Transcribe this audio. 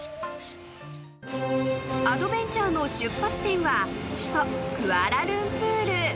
［アドベンチャーの出発点は首都クアラルンプール］